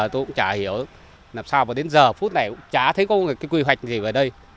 tôi cũng chả hiểu làm sao mà đến giờ phút này cũng chả thấy có một cái quy hoạch gì ở đây